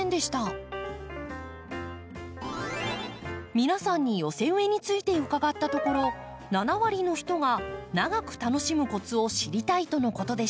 皆さんに寄せ植えについて伺ったところ７割の人が長く楽しむコツを知りたいとのことでした。